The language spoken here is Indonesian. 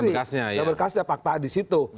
dengan berkasnya pakta di situ